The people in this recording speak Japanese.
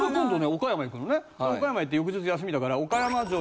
岡山行って翌日休みだから岡山城